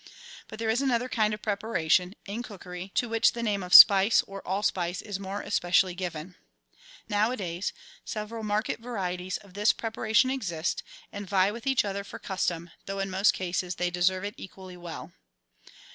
But there is another kind of preparation, in cookery, to which the name of spice or all spice is more especially given. ELEMENTARY PREPARATIONS 75 Nowadays several market varieties of this preparation exist, and vie with each other for custom, though in most cases they deserve it equally well.